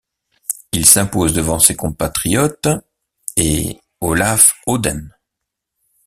Il s'impose devant ses compatriotes et Olav Odden.